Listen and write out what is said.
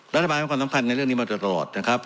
รัฐบาลให้ความสำคัญในเรื่องนี้มาโดยตลอดนะครับ